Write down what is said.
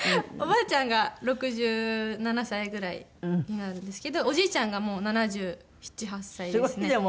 おばあちゃんが６７歳ぐらいなんですけどおじいちゃんがもう７７７８歳ですね。